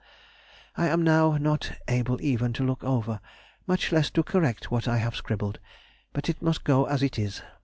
I am now not able even to look over, much less to correct, what I have scribbled, but it must go as it is.